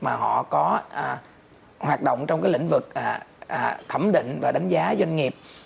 mà họ có hoạt động trong cái lĩnh vực thẩm định và đánh giá doanh nghiệp